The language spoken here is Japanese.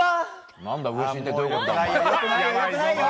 何だ、ウエシンってどういうことだ！